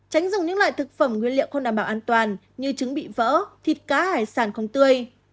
tránh dùng những loại thực phẩm nguyên liệu không đảm bảo an toàn như trứng bị vỡ thịt cá hải sản không tươi